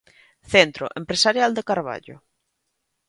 Centro empresarial de Carballo.